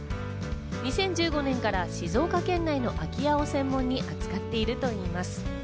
２０１５年から静岡県内の空き家を専門に扱っているといいます。